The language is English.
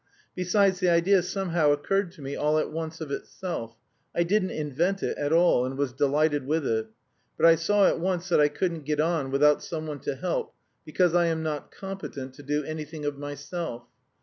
Besides, the idea somehow occurred to me all at once of itself. I didn't invent it at all, and was delighted with it. But I saw at once that I couldn't get on without someone to help, because I am not competent to do anything of myself.